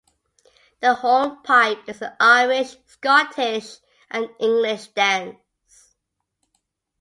The hornpipe is an Irish, Scottish and English dance.